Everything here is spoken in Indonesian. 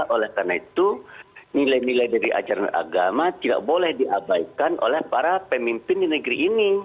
oleh karena itu nilai nilai dari ajaran agama tidak boleh diabaikan oleh para pemimpin di negeri ini